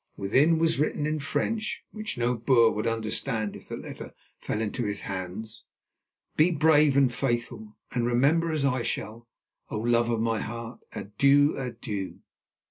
Within was written in French, which no Boer would understand if the letter fell into his hands: "Be brave and faithful, and remember, as I shall. Oh! love of my heart, adieu, adieu!"